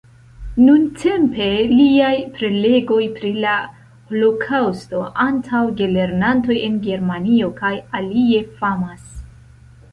Nuntempe liaj prelegoj pri la holokaŭsto antaŭ gelernantoj en Germanio kaj alie famas.